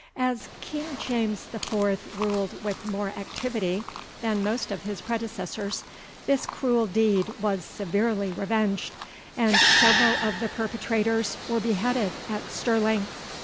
As King James IV. ruled with more activity than most of his predecessors, this cruel deed was severely revenged, and several of the perpetrators were beheaded at Stirling.